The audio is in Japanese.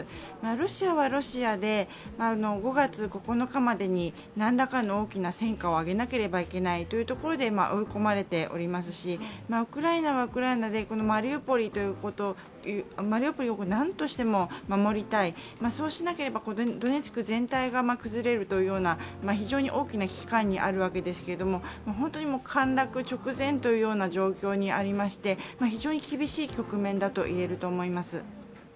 ロシアはロシアで５月９日までに何らかの大きな戦果を上げなければいけないということで追い込まれておりますし、ウクライナはウクライナでマリウポリをなんとしても守りたい、そうしなければドネツク全体が崩れるという非常に大きな危機感にあるわけですけれども、本当に陥落直前という状況にありまして非常に厳しい局面だといえると思います。